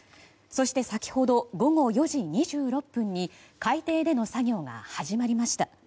そして、先ほど午後４時２６分に海底での作業が始まりました。